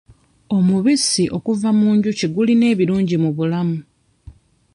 Omubisi okuva mu njuki gulina ebirungi mu bulamu.